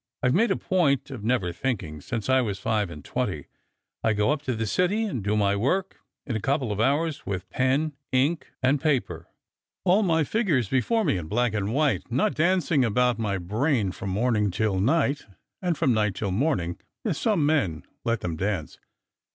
I've made a ])oint of never thinking since I wa3 five and twenty. I go_ up to the City and do my work in a couple of hours with pen, ink, 178 Strangert and Pilgrims, and paper ; all my figures before me in black and white, not dancing about my brain from morning tiU night, and from night till morning, as some men let them dance.